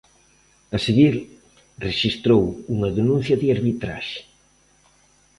A seguir, rexistrou unha denuncia de arbitraxe.